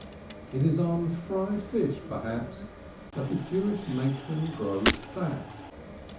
It is on fried fish, mayhap, that the Jewish matron grows fat.